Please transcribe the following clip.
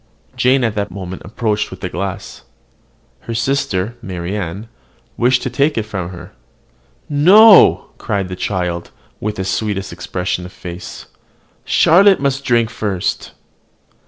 Jane at the moment approached with the glass. Her sister, Marianne, wished to take it from her. "No!" cried the child, with the sweetest expression of face, "Charlotte must drink first."